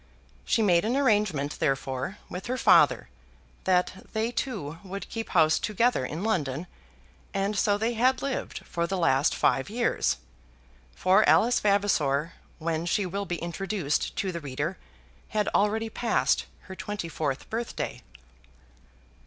She made an arrangement, therefore, with her father, that they two would keep house together in London, and so they had lived for the last five years; for Alice Vavasor when she will be introduced to the reader had already passed her twenty fourth birthday.